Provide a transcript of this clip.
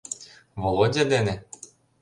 Володя дене?..